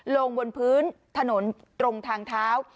ลงบนพื้นถนนตรงทางเท้า